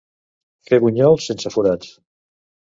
Fer bunyols sense forats.